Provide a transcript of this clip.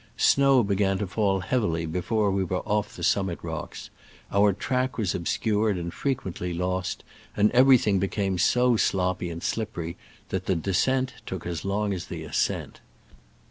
Snow began to fall heavily before we were off the summit rocks, our track was obscured and fre quently lost, and everything became so sloppy and slippery that the descent took as long as the ascent.